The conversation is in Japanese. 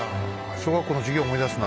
小学校の授業を思い出すな。